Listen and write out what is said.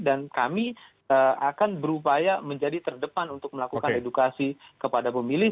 dan kami akan berupaya menjadi terdepan untuk melakukan edukasi kepada pemilih